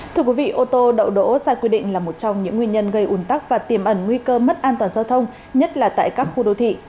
thưa quý vị ô tô đậu đỗ sai quy định là một trong những nguyên nhân gây ủn tắc và tiềm ẩn nguy cơ mất an toàn giao thông nhất là tại các khu đô thị